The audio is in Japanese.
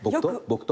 僕と？